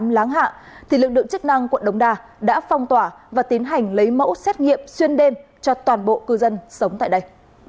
tám mươi tám láng hạ thì lực lượng chức năng quận đông đà đã phong tỏa và tiến hành lấy mẫu xét nghiệm xuyên đêm cho toàn bộ cư dân sống tại đây